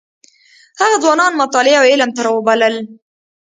هغه ځوانان مطالعې او علم ته راوبلل.